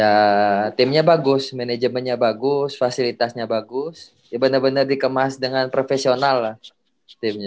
ya timnya bagus manajemennya bagus fasilitasnya bagus ya benar benar dikemas dengan profesional lah timnya